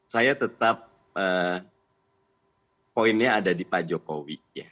saya tetap poinnya ada di pak jokowi